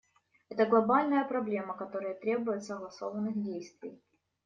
Это глобальная проблема, которая требует согласованных действий.